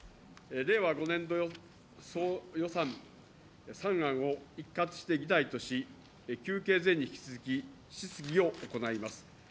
令和５年度総予算３案を一括して議題とし、休憩前に引き続き、質疑を行います。